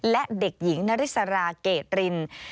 และเด็กหญิงณฤษราเกตริน